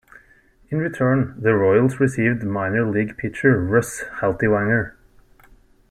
In return, the Royals received Minor League pitcher Russ Haltiwanger.